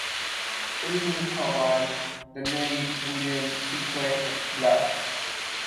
Elizabeth Carlyle then married William Sinclair of Blaas.